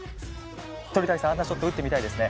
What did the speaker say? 鳥谷さんあんなショット打ってみたいですね。